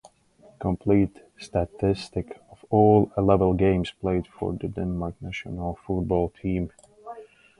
Complete statistic of all A-level games, played for the Denmark National Football Team.